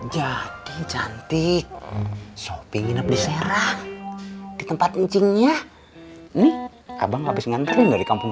jadi cantik shopping minum diserang di tempat ncingnya nih abang habis ngantri dari kampung